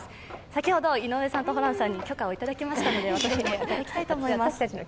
先ほど井上さんとホランさんに許可をいただきましたので私もいただきたいと思います。